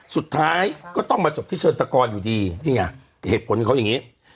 สุดท้ายก็ต้องมาจบที่เชิญตะกรอยู่ดีนี่ไงเหตุผลเขาอย่างนี้